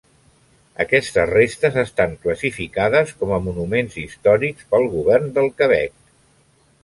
Aquestes restes estan classificades com a monuments històrics pel govern del Quebec.